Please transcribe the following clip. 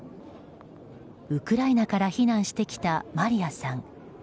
ウクライナから避難してきたマリヤさん。